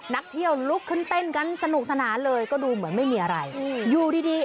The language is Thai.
นักเที่ยวลุกขึ้นเต้นกันสนุกสนานเลยก็ดูเหมือนไม่มีอะไรอยู่ดีดี